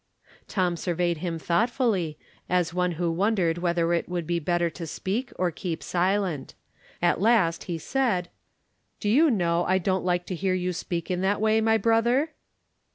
Tom surveyed him thoughtfully, as one who wondered whether it would be better to speak or keep silent. At last he said :" Do you know I don't like to hear you speak in that way, my brother